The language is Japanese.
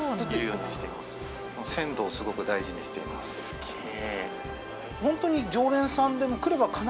すげえ。